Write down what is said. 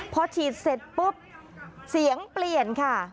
พอฉีดเสร็จปุ๊บเสียงเปลี่ยนค่ะ